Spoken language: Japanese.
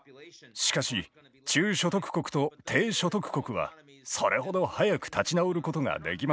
しかし中所得国と低所得国はそれほど早く立ち直ることができません。